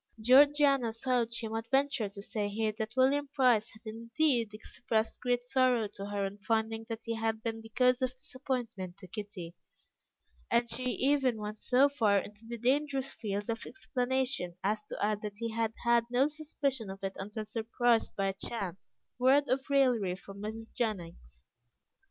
Georgiana thought she might venture to say here that William Price had indeed expressed great sorrow to her on finding that he had been the cause of disappointment to Kitty, and she even went so far into the dangerous fields of explanation as to add that he had had no suspicion of it until surprised by a chance word of raillery from Mrs. Jennings.